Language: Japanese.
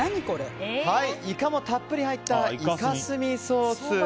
イカもたっぷり入ったイカ墨ソース。